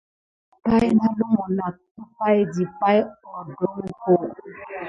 Pay nà lumu nak dupay ɗi pay oɗoko.